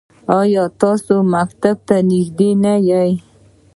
ایا ستاسو مکتب نږدې نه دی؟